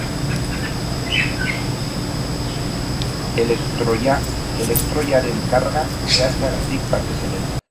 Elektroiaren karga zehazteagatik batez ere.